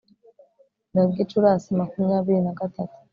no gicurasi makumyabiri na gatatu